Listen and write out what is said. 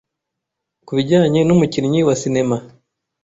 kubijyane n’umukinnyi wa cinema